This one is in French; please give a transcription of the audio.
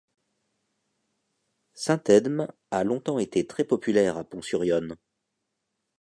Saint Edme a longtemps été très populaire à Pont-sur-Yonne.